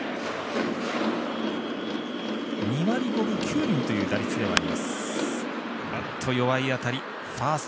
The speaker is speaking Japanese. ２割５分９厘という打率ではあります。